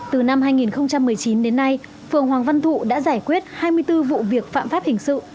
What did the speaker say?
từ năm hai nghìn một mươi chín đến nay phường hoàng văn thụ đã giải quyết hai mươi bốn vụ việc phạm pháp hình sự